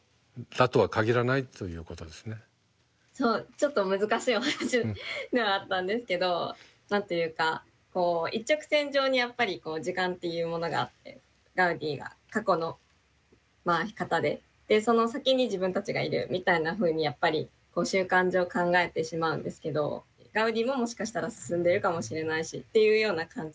ちょっと難しいお話ではあったんですけど何と言うかこう一直線上にやっぱり時間っていうものがあってガウディが過去の方でその先に自分たちがいるみたいなふうにやっぱり習慣上考えてしまうんですけどガウディももしかしたら進んでるかもしれないしっていうような感じで。